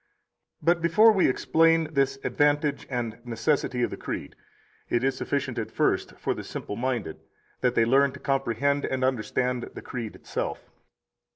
4 But before we explain this advantage and necessity of the Creed, it is sufficient at first for the simple minded that they learn to comprehend and understand the Creed itself.